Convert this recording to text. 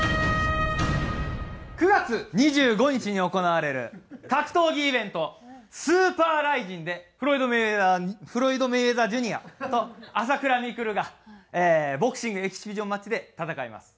９月２５日に行われる格闘技イベント「超ＲＩＺＩＮ」でフロイド・メイウェダーフロイド・メイウェザー・ジュニアと朝倉未来がボクシングエキシビションマッチで戦います。